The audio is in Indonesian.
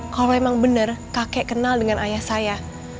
kalau memang benar kakek kenal dengan ayah saya